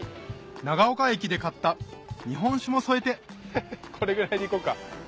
長岡駅で買った日本酒も添えてこれぐらいで行こうか。